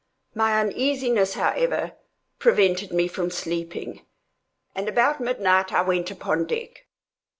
My uneasiness, however, prevented me from sleeping, and about midnight I went upon deck.